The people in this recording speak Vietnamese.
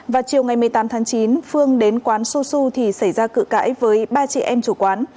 và chiều ngày một mươi tám tháng chín phương đến quán su su thì xảy ra cự cãi với ba trẻ em chủ quán